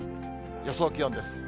予想気温です。